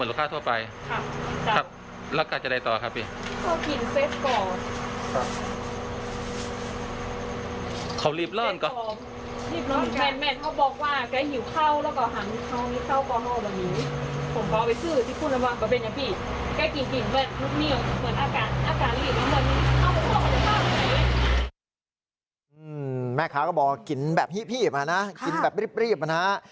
แม่ค้าก็บอกกินแบบหิ้บมานะกินแบบรีบมานะ